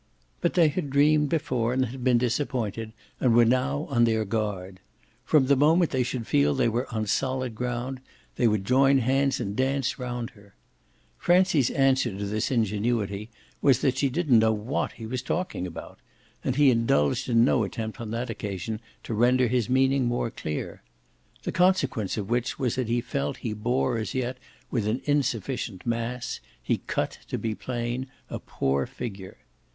But they had dreamed before and been disappointed and were now on their guard. From the moment they should feel they were on solid ground they would join hands and dance round her. Francie's answer to this ingenuity was that she didn't know what he was talking about, and he indulged in no attempt on that occasion to render his meaning more clear; the consequence of which was that he felt he bore as yet with an insufficient mass, he cut, to be plain, a poor figure.